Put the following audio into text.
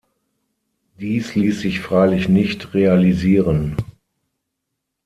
Dies ließ sich freilich nicht realisieren.